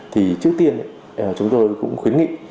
thì trước tiên chúng tôi cũng khuyến nghị